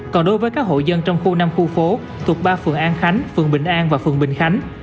còn đối với các hộ dân trong khu năm khu phố thuộc ba phường an khánh phường bình an và phường bình khánh